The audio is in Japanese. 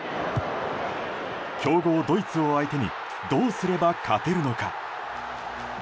強豪ドイツを相手にどうすれば勝てるのか。